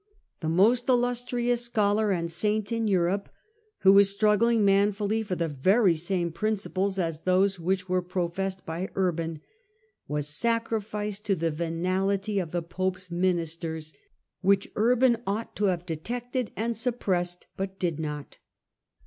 The most illustrious scholar and saint in Europe, who was struggling manfully for the very same principles as those which were professed by Urban, was sacrificed to the venality of the Pope's ministers, which Urban ought to have detected and suppressed, but did not.